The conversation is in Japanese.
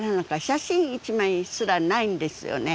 写真一枚すらないんですよね。